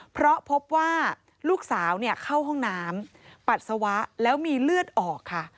เพราะพบว่าลูกสาวเข้าห้องน้ำปัสสาวะแล้วมีเลือดออกค่ะ